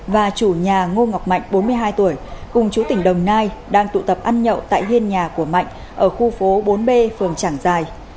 và chủ nhà ngô ngọc mạnh bốn mươi hai tuổi cùng chú tỉnh đồng nai đang tụ tập ăn nhậu tại hiên nhà của mạnh ở khu phố bốn b phường trảng giài